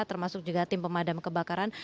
termasuk juga tim pemadam kebakaran